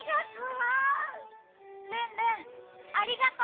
ルンルンありがと！